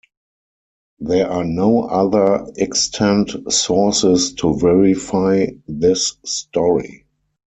There are no other extant sources to verify this story.